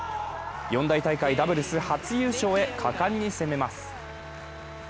四大大会ダブルス初優勝へ果敢に攻めます。